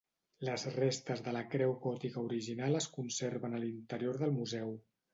Les restes de la creu gòtica original es conserven a l'interior del Museu.